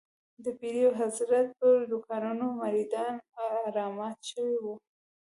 د پیر او حضرت پر دوکانونو مريدان رامات شوي وو.